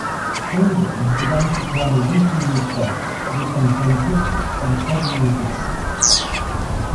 Ingram began to plan a weekly newspaper that would contain pictures in every edition.